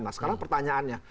nah sekarang pertanyaannya